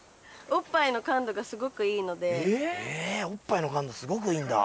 おっぱいの感度すごくいいんだ。